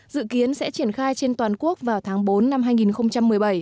dự kiến sẽ triển khai trên toàn quốc vào tháng bốn năm hai nghìn một mươi bảy